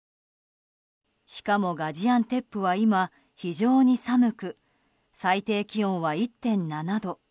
しかもガジアンテップは今非常に寒く最低気温は１．７度。